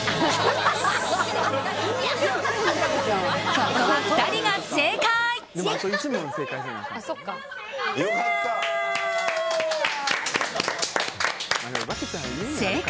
ここは２人が正解。